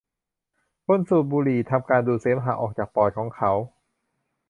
คนสูบบุหรี่ทำการดูดเสมหะออกจากปอดของเขา